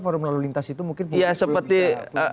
forum lalu lintas itu mungkin belum bisa